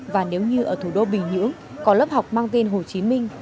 và nếu như ở thủ đô bình nhưỡng có lớp học mang tên hồ chí minh